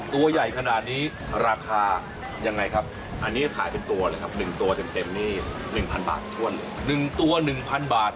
ตัวใหญ่ขนาดนี้ราคายังไงครับอันนี้ขายเป็นตัวเลยครับ๑ตัวเต็มนี่๑๐๐บาทถ้วนเลย๑ตัว๑๐๐บาท